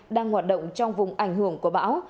đang hoạt động trong vùng ảnh hưởng của bão